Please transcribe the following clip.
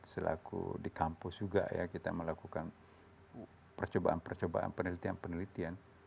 selaku di kampus juga ya kita melakukan percobaan percobaan penelitian penelitian